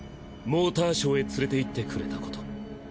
モーターショーへ連れて行ってくれたこと。